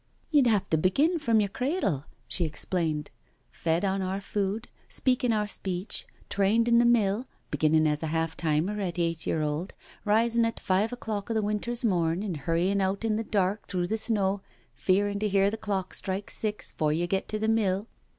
" You'd have to begin from your cradle," she ex plained, *' fed on our food, speaking our speech — trained in the mill — beginnin' as a half timer at eight year old, rising at five o'clock o' the cold winter's morn, and hurryin' out in the dark through the snow, fearin' to hear the clock strike six 'fore you get to mill."